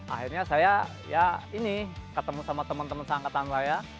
akhirnya saya ya ini ketemu sama teman teman saya angkatan lah ya